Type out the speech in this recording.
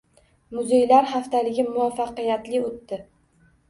Muzeylar haftaligi muvaffaqiyatli o‘tdi